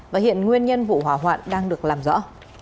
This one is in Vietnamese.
và hiện nguyên nhân vụ hỏa hoạn đang được làm rõ